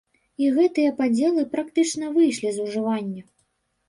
І гэтыя падзелы практычна выйшлі з ужывання.